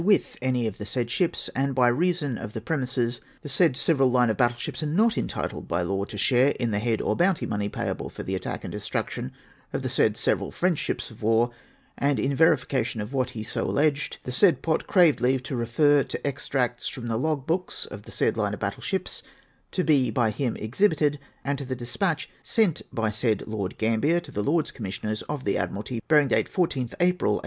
417 ivith any of the said sJtlps ; and by reason of the premises the said several liue of battle sliips are not entitled by law to share in the head or bounty money payable for the attack and destruction of the said several French ships of war, and in verification of what he so alleged the said Pott craved leave to refer to extracts from the log books of the said line of battle ships to be by him exhibited, and to the despatch sent by the said Lord Gambier to the Lords Commissioners of the Admiralty, bearing date 14th April 1809.